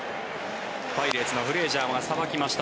パイレーツのフレイジャーがさばきました。